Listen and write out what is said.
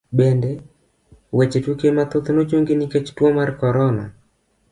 Bende, weche tuke mathoth nochungi nikech tuo mar korona.